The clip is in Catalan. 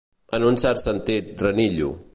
En un cert sentit, renillo.